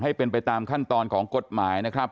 ให้เป็นไปตามขั้นตอนของกฎหมายนะครับ